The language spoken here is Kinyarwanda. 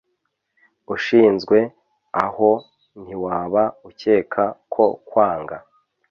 ushinzwe aho ntiwaba ukeka ko nkwanga